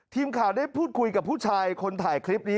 ทีมข่าวได้พูดคุยกับผู้ชายคนถ่ายคลิปนี้